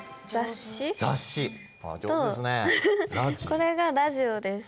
これがラジオです。